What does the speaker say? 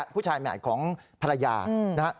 ผู้ชายใหม่ของภรรยานะครับ